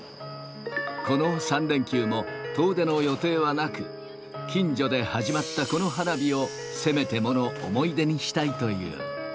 この３連休も遠出の予定はなく、近所で始まったこの花火をせめてもの思い出にしたいという。